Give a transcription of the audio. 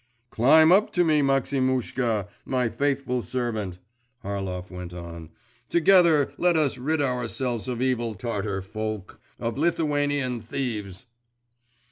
'Climb up to me, Maximushka, my faithful servant,' Harlov went on; 'together let us rid ourselves of evil Tartar folk, of Lithuanian thieves!